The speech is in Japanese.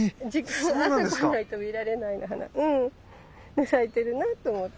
で咲いてるなと思って。